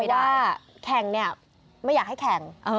คือเอาว่าแข่งนี่ไม่อยากให้แข่ง